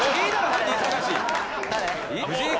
犯人捜し。